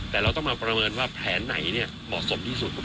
แต่เราต้องมาประเมินว่าแผนไหนเหมาะสมที่สุด